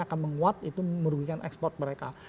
akan menguat itu merugikan ekspor mereka